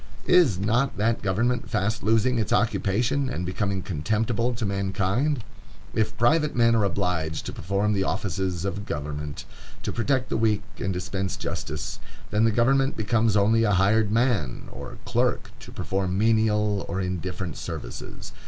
Is not that government fast losing its occupation, and becoming contemptible to mankind? If private men are obliged to perform the offices of government, to protect the weak and dispense justice, then the government becomes only a hired man, or clerk, to perform menial or indifferent services.